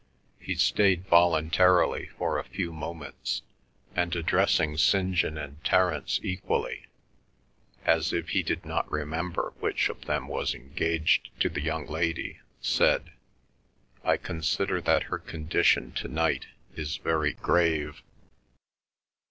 He stayed voluntarily for a few moments, and, addressing St. John and Terence equally, as if he did not remember which of them was engaged to the young lady, said, "I consider that her condition to night is very grave."